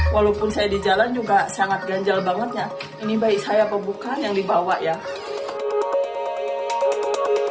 walaupun saya di jalan juga sangat ganjal banget ya ini baik saya atau bukan yang dibawa ya